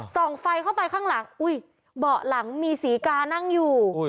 ส่องไฟเข้าไปข้างหลังอุ้ยเบาะหลังมีศรีกานั่งอยู่